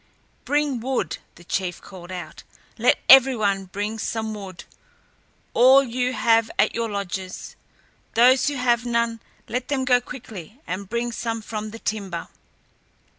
"Bring wood," the chief called out; "let every one bring some wood; all you have at your lodges. Those who have none, let them go quickly and bring some from the timber."